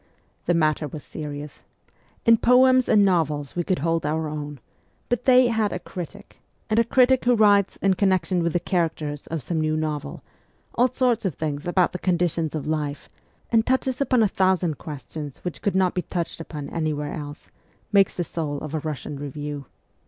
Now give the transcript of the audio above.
The matter was serious : in poems and novels we could hold our own ; but they had a ' critic,' and a ' critic ' who writes, in connection with the characters of some new novel, all sorts of things about the conditions of life, and touches upon a thousand questions which could not be touched upon anywhere else, makes the soul of a Kussian review.